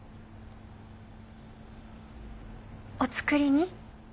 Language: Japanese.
お作りに？